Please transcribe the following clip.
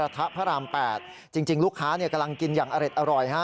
โทษทีโทษทีโทษทีโทษที